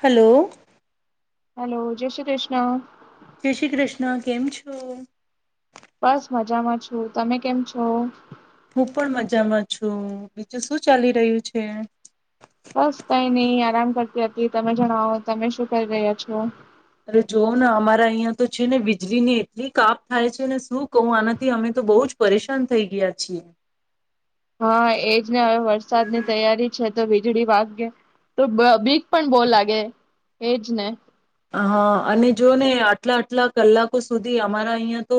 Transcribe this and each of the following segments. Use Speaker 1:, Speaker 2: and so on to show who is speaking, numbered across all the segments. Speaker 1: Hello.
Speaker 2: Hello, જય શ્રી કૃષ્ણ.
Speaker 1: જય શ્રી કૃષ્ણ, કેમ છો?
Speaker 2: બસ મજામાં છું. તમે કેમ છો?
Speaker 1: હું પણ મજામાં છું. બીજું શું ચાલી રહ્યું છે?
Speaker 2: બસ કઈ નહી આરામ કરતી હતી. તમે જણાવો તમે શું કરી રહ્યા છો?
Speaker 1: અરે જોવ ને અમારા અહીંયા તો છે ને, વીજળી ની એટલી કાપ થાય છે ને શું કહું. આનાથી અમે તો બો જ પરેશાન થઈ ગયા છીએ.
Speaker 2: હા, એજ ને હવે વરસાદની તૈયારી છે, તો વીજળી વાગે તો બીક પણ બો લાગે એજ ને.
Speaker 1: હા અ અને જો ને આટલા આટલા કલાકો સુધી અમારા અહીયાં તો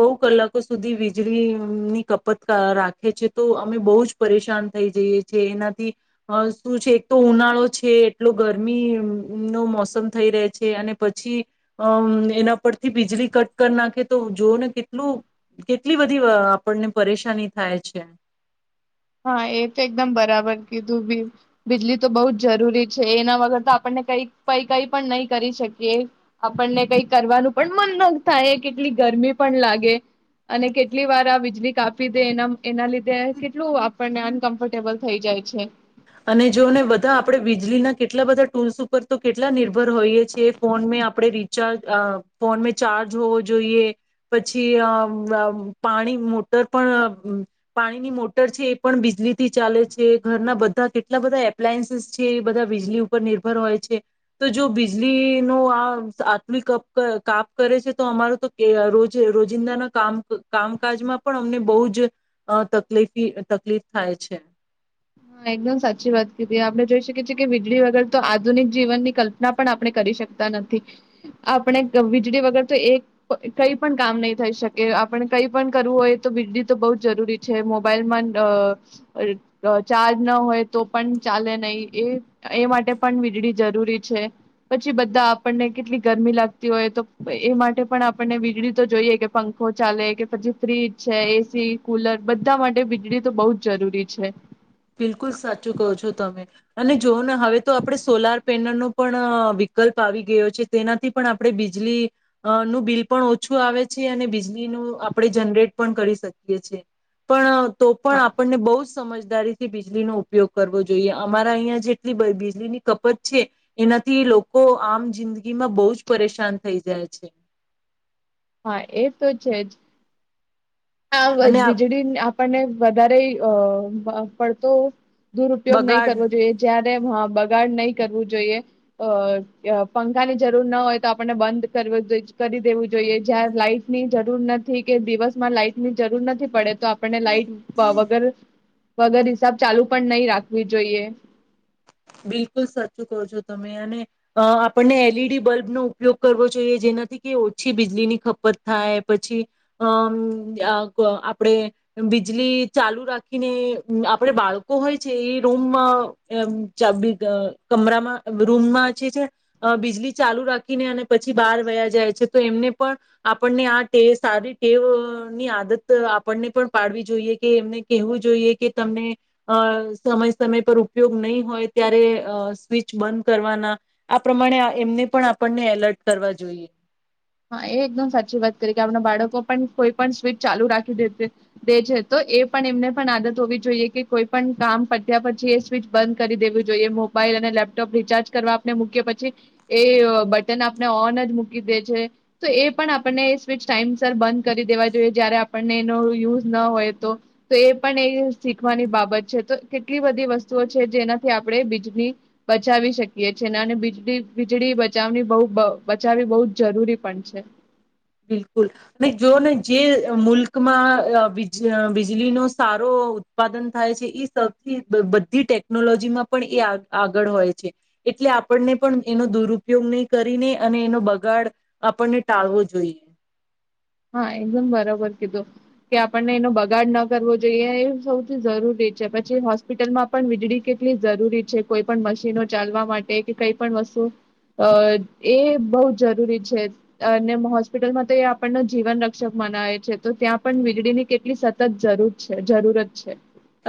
Speaker 1: બો કલાકો સુધી વીજળીની કપત રાખે છે, તો અમે બો જ પરેશાન થઈ જઈએ છીએ. એનાથી શું છે એક તો ઉનાળો છે, એટલો ગરમી નો મોસમ થઈ રહે છે. અને પછી અ એના પરથી બીજલી કટ કર નાખે, તો જોઓ ને કેટલું કેટલી બધી બ આપણને પરેશાની થાય છે.
Speaker 2: હા, એ તો એકદમ બરાબર કીધું, ભી બીજલી તો બો જ જરૂરી છે, એના વગર તો આપણને કઈ કઈ કઈ પણ નહી કરી શકીએ. આપણને કઈ કરવાનું પણ મન ન થાય. અ કેટલી ગરમી પણ લાગે અને કેટલી વાર આ વીજળી કાપી દે, એના એના લીધે કેટલું આ પણને અનકમ્ફર્ટેબલ થઈ જાય છે.
Speaker 1: અને જો ને બધા આપડે વીજળીના કેટલા બધા ટૂલ્સ ઉપર તો કેટલા નિર્ભર હોઈએ છીએ. ફોન મે આપણે રીચાર્જ ફોન મે ચાર્જ હોવો જોઈએ પછી અ પાણી મોટર પણ પાણીની મોટર છે, એ પણ બીજલી થી ચાલે છે, ઘરના બ ધા કેટલા બધા એપ્લાયન્સીસ છે, એ બધા બીજલી ઉપર નિર્ભર હોય છે, તો જો બીજલી નો આ આટલી કપ કાપ કરે છે. તો અમારો તો કે રોજ રોજિંદાના ક કામકાજમાં પણ અમને બહુ જ તકલીફી તકલીફ થાય છે.
Speaker 2: હા, એકદમ સાચી વાત કીધી. આપણે જોઈ શકીએ છીએ કે, વીજળી વગર તો આધુનિક જીવનની કલ્પના પણ આપણે કરી શકતા નથી. આપણે વીજળી વગર તો એક કઈ પણ કામ નહી થઈ શકે. આપણે કઈ પણ કરવું હોય તો, વીજળી તો બો જ જરૂરી છે. મોબાઈલમાં અ અ ચાર્જ ન હોય, તો પણ ચાલે નય. એ એ માટે પણ વીજળી જરૂરી છે, પછી બધા આપણને કેટલી ગરમી લાગતી હોય તો એ માટે પણ આપણને વીજળી તો જોઈએ કે, પંખો ચાલે કે, પછી ફ્રીજ છે, એસી, કુલર બધા માટે વીજળી તો બો જ જરૂરી છે.
Speaker 1: બિલકુલ સાચું કહો છો તમે, અને જોઓ ને હવે તો આપણે સોલાર પેનલનો પણ વિકલ્પ આવી ગયો છે. તેનાથી પણ આપણે બીજલી નું બિલ પણ ઓછું આવે છે અને બીજલી બીજલી નું આપણે જનરેટ પણ કરી શકીએ છે, પણ તો પણ
Speaker 2: હા
Speaker 1: આપણને બઉ જ સમજદારી થી બીજલી નો ઉપયોગ કરવો જોઈએ. અમારા અહિયાં જેટલી બ બીજલી ની કપત છે, એનાથી લોકો આમ જિંદગી માં બો જ પરેશાન થઈ જાય છે.
Speaker 2: હા, એ તો છે જ. આ વજ,
Speaker 1: અને આ
Speaker 2: વીજળી ની આપ આપણ ને વધારે અ પડતો દુરુપયોગ નહી
Speaker 1: બગાડ
Speaker 2: કરવો જોઈએ. જ્યાં બગાડ નહીં કરવું જોઈએ. અ પંખાની જરૂર ના હોય તો આપણને બંધ કરી દેવું જોઈએ, જ્યાં લાઈટ ની જરૂર નથી કે દિવસમાં લાઈટ ની જરૂર નથી પડે. તો આપણને લાઈટ વગર વગર હિસાબ ચાલુ પણ નહી રાખવી જોઈએ.
Speaker 1: બિલકુલ સાચું કહો છો તમે અને અ આપણને એલ ઈ ડી બલ્બનો ઉપયોગ કરવો જોઈએ જેનાથી કે ઓછી બીજળી ની ખપત થાય પછી અમ અપ આપણે બીજળી ચાલુ રાખીને આપણે બાળકો હોય છે એ રૂમ અ ચા બી ગ કમરામાં રૂમમાં જે છે બીજળ ચાલુ રાખીને અને પછી બહાર વયા જાય છે, તો એમને પણ આપણને આ ટે સારી ટેવની આદત આપણને પણ પાડવી જોઈએ, કે એમને કહેવું જોઈએ કે તમને અ સમય સમય પર ઉપયોગ નહીં હોય ત્યારે અ સ્વિચ બંધ કરવાના આ પ્રમાણે એમને પણ આપણને એલર્ટ કરવા જોઈએ.
Speaker 2: હા એ એકદમ સાચી વાત કરી, કે આપણા બાળકો પણ કોઈ પણ સ્વીચ ચાલુ રાખી દે દે છે તો એ પણ એમને પણ આદત હોવી જોઈએ કે કોઈ પણ કામ પત્યા પછી એ સ્વીચ બંધ કરી દેવું જોઈએ. મોબાઈલ અને લેપટોપ રિચાર્જ કરવા આપણે મૂકીએ પછી એ બટન આપને ઓન જ મૂકી દે છે. તો એ પણ આપણને સ્વિચ ટાઈમસર બંધ કરી દેવા જોઈએ જયારે આપણને એનો યુઝ ના હોય તો. તો એ પણ એ શીખવાની બાબત છે તો કેટલી બધી વસ્તુઓ છે જેનાથી આપણે વીજળી બચાવી શકીએ છેએ અને વીજડી વીજળી બચાવની બહ બચાવવી બહુ જરૂરી. પન છેે.
Speaker 1: બિલકુલ, અને જોઓ ને જે મુલ્કમાં અ વીજ વીજળીનો સારો ઉત્પાદન થાય છે એ સૌથી બધી ટેકનોલોજીમાં પણ એ આગળ હોય છે, એટલે આપણને પણ એનો દુરુપયોગ નહીં કરીને અને એનો બગાડ આપણને ટાળવો જોઈએ.
Speaker 2: હા એકદમ બરોબર કીધું કે આપણને એનો બગાડ ન કરવો જોઈએ, એ સૌથી જરૂરી છે પછી હોસ્પિટલમાં પણ વીજળી કેટલી જરૂરી છે કોઈ પણ મશીનો ચાલવા માટે કે કઈ પણ વસ્તુ અ એ બહ જરૂરી છે. અને હોસ્પિટલમાં તો એ આપ જીવન રક્ષક મનાવે છે, તો ત્યાં પણ વીજળી ની કેટલી સતત જરૂર છે જરૂરત છે.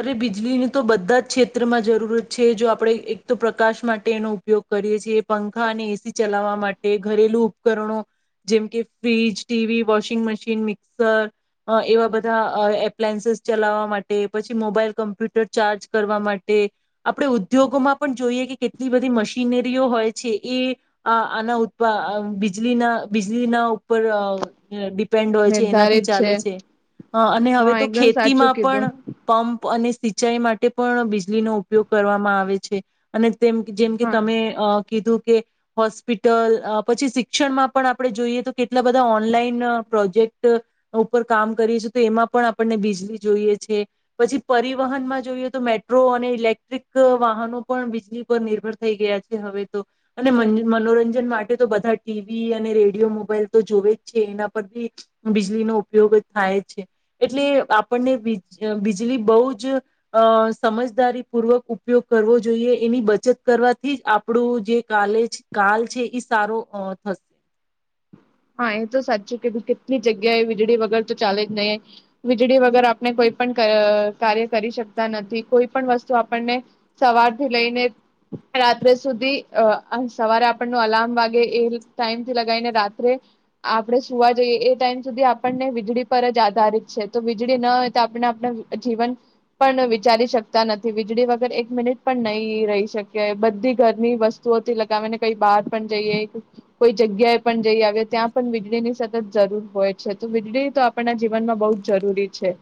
Speaker 1: અરે બીજળીની તો બધા જ ક્ષેત્રમાં જરૂરત છે જો આપણે એક તો પ્રકાશ માટે એનો ઉપયોગ કરીએ છીએ પંખા અને એસી ચલાવવા માટે ઘરેલુ ઉપકરણો જેમ કે fridge TV washing machine mixer અ એવા બધા અ એપ્લાયન્સીસ ચલાવવા માટે. પછી મોબાઈલ કમ્પ્યુટર ચાર્જ કરવા માટે આપણે ઉદ્યોગોમાં પણ જોઈએ કે કેટલી બધી મશીનરીઓ હોય છે એ આના ઉત્પાીજના બીજળીના ઉપર ડીપ પેન્ડ હોય છે એનાથી ચાલે છે હ અને હવે
Speaker 2: હા
Speaker 1: તો
Speaker 2: એકદમ સાચું
Speaker 1: ખેતીમાં
Speaker 2: કીધું
Speaker 1: પણ. અને સિંચાઈ માટે પણ બીજલીનો ઉપયોગ કરવામાં આવે છે અને. તેમ જેમ કે
Speaker 2: હા
Speaker 1: તમે અ કીધું. કે હોસ્પિટલ પછી શિક્ષણમાં પણ આપણે જોઈએ તો કેટલા બધા ઓનલાઈન પ્રોજેક્ટ ઉપર કામ કરીએ છીએ તો એમાં પણ આપણને બીજલી જોઈએ છે. પછી પરિવહનમાં જોઈએ તો મેટ્રો અને ઇલેક્ટ્રિક વાહનો પણ વીજળી પર નિર્ભર થઈ ગયા છે હવે તો અને મનોરંજન માટે તો બધા ટીવી અને રેડિયો મોબાઈલ તો જોવે જ છે એના પર બી બીજળીનો ઉપયોગ થાય છે એટલે આપણને બીજ બીજ લી બહુ જ અ સમજદારી પૂર્વક ઉપયોગ કરવો જોઈએ એની બચત કરવાથી જ આપણું જે કાલે કાલ છે એ સારો અ થશે.
Speaker 2: હા એ તો સાચું કીધું કે કેટલી જગ્યાએ વીજળી વગર તો ચાલે જ નહીં વીજળી વગર આપને કોઈ પણ ક કાર્ય કરી શકતા નથી કોઈ પણ વસ્તુ આપણને સવારથી લઈને રાત્રે સુધી અ સવારે આપણનો અલાર્મ વાગે એ ટાઈમથી લગાવીને રાત્રે. આપણે સુવા જઈએ એ ટાઈમ સુધી આપણને વીજળી પર જ આધારિત છે તો વીજળી ના હોય તો આપને આપણે જીવન પણ વિચારી શકતા નથી વીજળી વગર એક મિનિટ પણ નહી રહી શકે બધી ઘરની વસ્તુઓથી લગાવીને કઈ બહાર પણ જઈએ કોઈ જગ્યાએ પણ જઈ આવે. ત્યાં પણ વીજળી ની સતત જરૂર હોય છે તો વીજળી તો આપણના જીવનમાં બહુ જ જરૂરી છે.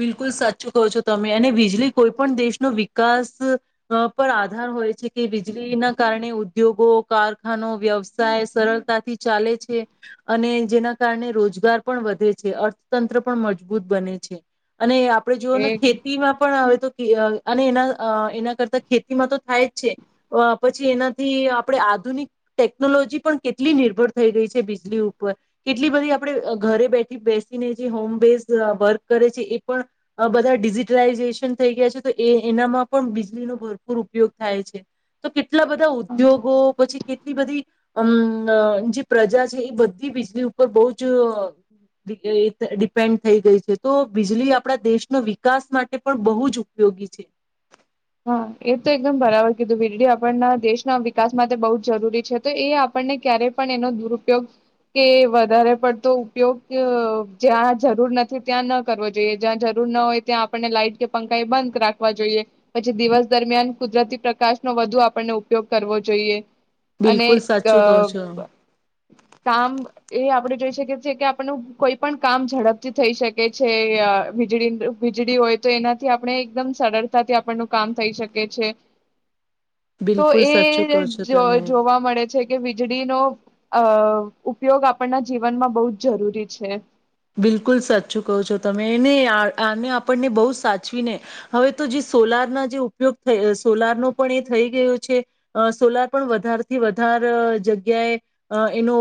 Speaker 1: બિલકુલ સાચું કહો છો તમે અને વીજળી કોઈ પણ દેશનો વિકાસ પણ આધાર હોય છે કે વીજળીના કારણે ઉદ્યોગો કારખાનો વ્યવસાય સરળતાથી ચાલે છે અને જેના કારણે રોજગાર પણ વધે છે અર્થતંત્ર પણ મજબૂત બને છે. અને આપણે જુઓ ને
Speaker 2: એ
Speaker 1: ખેતીમાં પણ હવે તો. અને એના એના કરતા ખેતીમાં તો થાય જ છે પછી એનાથી આપણે આધુનિક ટેકનોલોજી પણ કેટલી નિર્ભર થઈ ગઈ છે બીજળી ઉપર કેટલી બધી આપણે ઘરે બેઠી બેસીને જે હોમ બેઝ વર્ક. કરે છે એ પણ બધા ડિજિટલાઈઝેશન થઈ ગયા છે તો એ એનામાં પણ બીજળીનો ભરપૂર ઉપયોગ થાય છે તો કેટ ટલા બધા ઉદ્યોગો પછી કેટલી બધી. અમ જે પ્રજા છે એ બધી વીજળી ઉપર બહુ જ અ [inaudible] ડિપેન્ડ થઈ ગઈ છે. તો બીજળી આપણા દેશનો વિકાસ માટે પણ બહુ જ ઉપયોગી છે.
Speaker 2: હા એ તો એકદમ બરાબર કીધું વીજળી આપણના દેશના વિકાસ માટે બહ જ જરૂરી છે તો એ આપણને ક્યારેય પણ એનો દુરપયોગ કે વધારે પડતો ઉપયોગ જ્યાં જરૂર નથી ત્યાં ન કરવો જોઈએ જ્યાં જરૂર ન હોય ત્યાં આપણને લાઈટ કે પંખા એ બંધ રાખવા જોઈએ. પછી દિવસ દરમિયાન કુદરતી પ્રકાશનો વધુ આપણને ઉપયોગ કરવો જોઈએ. અને
Speaker 1: બિલકુલ
Speaker 2: અ
Speaker 1: સાચું કહો છો
Speaker 2: કામ. એ આપડે જોઈ શકીએ છીએ કે આપણ કોઈ પણ કામ ઝડપથી થઈ શકે છે વીજળી વીજળી હોય તો એનાથી આપણે એકદમ સરળતાથી ન કામ થઈ શકે છે. તો
Speaker 1: બિલકુલ સાચું કહો
Speaker 2: એ
Speaker 1: છો તમે
Speaker 2: જોવા મળે છે. કે વીજળીનો અ ઉપયોગ આપણના જીવનમાં બહુ જ જરૂરી છે.
Speaker 1: બિલકુલ સાચું કહો છો તમે એને આને આપણને બહુ સાચવીને, હવે તો જે સોલારના જે ઉપયોગ થ સોલારનો પણ એ થઈ ગયો છે, સોલાર પણ વધારેથી વધારે જગ્યાએ એનો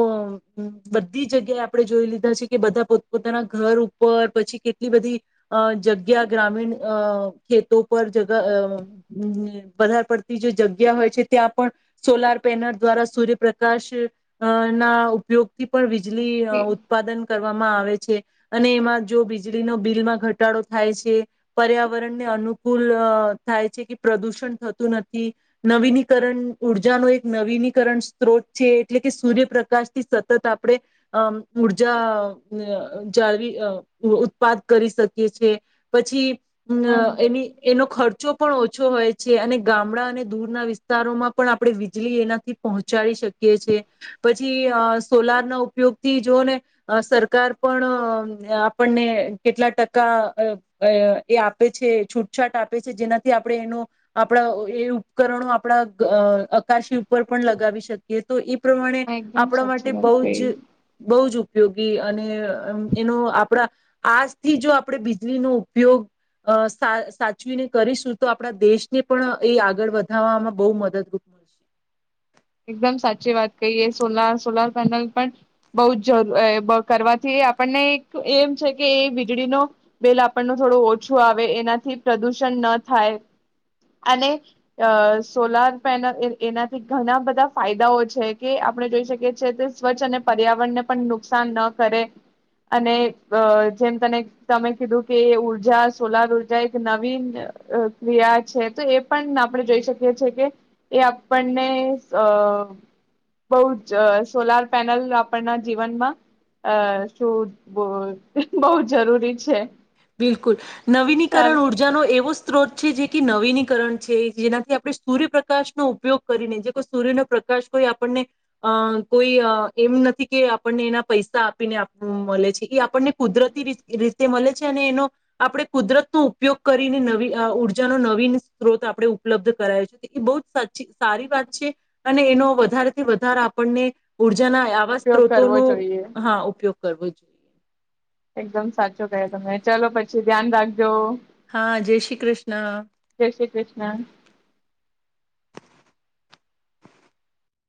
Speaker 1: બધી જગ્યાએ, આપણે જોઈ લીધા છે કે બધા પો પોતાના ઘર ઉપર પછી કેટલી બધી, અ જગ્યા ગ્રામીણ અ ખેતો પર જ વધારે પડતી જે જગ્યા હોય છે ત્યાં પણ, સોલાર પેનલ દ્વારા સૂર્યપ્રકાશ ના ઉપયોગથી પણ બજ
Speaker 2: હા
Speaker 1: ઉત્પાદન કર વામાં આવે છે. અને એમાં જો વીજળીનો બિલમાં ઘટાડો થાય છે, પર્યાવરણને અનુકૂલ થાય છે કે પ્રદુષણ થતું નથી, નવીનીકરણ ઉર્જા ન એક નવીનીકરણ સ્ત્રોત છે એટલે કે સૂર્યપ્રકાશ થી સતત આપણે, અ ઉર્જા જાળવી ઉત્પાદ કરી શકીએ છ છીએ, પછી અમ
Speaker 2: હા
Speaker 1: એની એનો ખર્ચ પણ ઓછો હોય છે અને ગામડા અને દૂરના વિસ્તારોમાં પણ આપણે વીજળી એનાથી પહોંચાડી શકીએ છે, પછી સોલાર ના ઉપયોગ થી જોઓ ને સરકાર પણ આપણને કેટલા ટકા એ આપે છે છૂટછાટ આપે છે જેનાથી આપણે એનો, આપણા એ ઉપકરણો આપણા અકાશી ઉપર પણ લગાવી શકે. એ તો પ્રમાણે,
Speaker 2: એકદમ
Speaker 1: આપણા માટે
Speaker 2: સાચી વાત
Speaker 1: બહુ જ
Speaker 2: કહી
Speaker 1: બહ જ ઉપ ઉપયોગી અને એનો આપણા, આજથી જો આપણે વીજળીનો ઉપયોગ અ સાચવીને કરીશું તો આપણા દેશને પણ એ આગળ વધવામાં બહુ મદદરૂપ મળશે.
Speaker 2: એકદમ સાચી વાત કહીએ સોલાર સોલાર પેનલ પણ, બહ જ કરવાથી આપણને એક એમ છે કે એ વીજળી, નો બિલ આપણ થોડું ઓછું આવે, એનાથી પ્રદુષણ ન થાય, અને સોલાર પેનલ એનાથી ઘણા બધા ફાયદા છે કે આપણે જોઈ શકીએ છેએ કે સ્વચ્છ અને પર્યાવરણને પણ નુકસાન ન કરે, અને જેમ તને તમે કીધું કે ઉર્જા સોલાર ઉર્જા એક નવીન ક્રિયા છે તો એ પણ આપણે જોઈ શકીએ છી કે, એ આપણને અ બહ જ સોલાર પેનલ આપણના જીવનમાં અ શું બહુ જરૂરી છે.
Speaker 1: બિલકુલ, નવીનીકરણ
Speaker 2: ચાલ
Speaker 1: ઉર્જાનો એવો સ્ત્રોત છે જે કે નવીનીકરણ છે જેનાથી આપણે સૂર્યપ્રકાશનો ઉપયોગ કરીને જે કોઈ સૂર્ય ન પ્રકાશ કોઈ આપણને, અ કોઈ એમ નથી કે આપણને એના પૈસા આપીને મળે છે એ આણને કુદરતી તેમ એનો, આપણે કુદરત નો ઉપયોગ કરીને નવી ઉર્જાનો નવીન સ્ત્રોત આપણે ઉપલબ્ધ કરાય છે એ બવજ સારી વાત છે. અને એનો વધારેથી વધારે આપણને ઉર્જાના આવા
Speaker 2: ઉપયોગ
Speaker 1: સ્ત્રોતો
Speaker 2: કરવો
Speaker 1: નો
Speaker 2: જોઈએ
Speaker 1: હા ઉપયોગ કરવું જોઈએ.
Speaker 2: એકદમ સાચો કયો તમે ચલો પછી ધ્યાન રાખજો.
Speaker 1: હા જય શ્રી કૃષ્ણ. [inaudible]
Speaker 2: જય શ્રી કૃષ્ણ